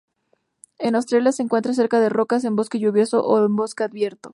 En Australia se encuentra cerca de rocas, en bosque lluvioso o en bosque abierto.